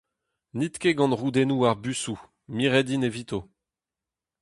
N'it ket gant roudennoù ar busoù : miret int evito.